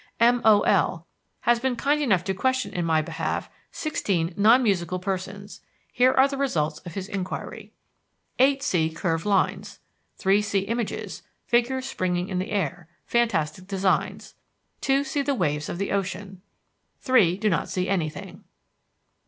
M. O. L...... has been kind enough to question in my behalf sixteen non musical persons. Here are the results of his inquiry: Eight see curved lines. Three see images, figures springing in the air, fantastic designs. Two see the waves of the ocean. Three do not see anything.